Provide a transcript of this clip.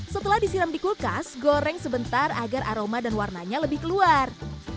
setelah disiram di kulkas goreng sebentar agar aroma dan warnanya lebih keluar